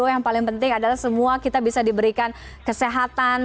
yang paling penting adalah semua kita bisa diberikan kesehatan